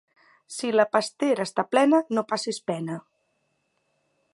Si la pastera està plena, no passis pena.